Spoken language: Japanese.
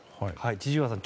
千々岩さん。